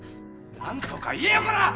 何とか言えよこら！